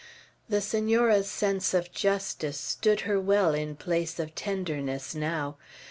The Senora's sense of justice stood her well in place of tenderness, now.